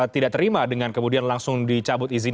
tidak terima dengan kemudian langsung dicabut izin